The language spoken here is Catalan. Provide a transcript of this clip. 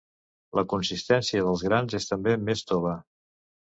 La consistència dels grans és també més tova.